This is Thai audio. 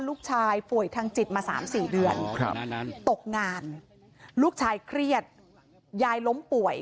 ลูกชายป่วยทางจิตมา๓๔เดือนตกงานลูกชายเครียดยายล้มป่วย